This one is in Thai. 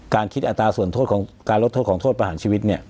คิดอัตราส่วนโทษของการลดโทษของโทษประหารชีวิตเนี่ย